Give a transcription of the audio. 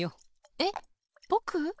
えっぼく？